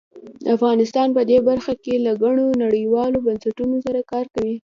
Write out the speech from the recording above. افغانستان په دې برخه کې له ګڼو نړیوالو بنسټونو سره کار کوي.